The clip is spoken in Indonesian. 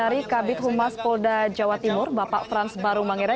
dari kabit humas polda jawa timur bapak frans barung mangera